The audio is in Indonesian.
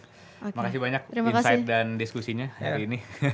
terima kasih banyak insight dan diskusinya hari ini